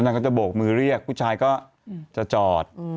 ก็จะโบกมือเรียกผู้ชายก็จะจอด